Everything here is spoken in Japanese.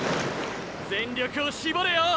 全力を絞れよ！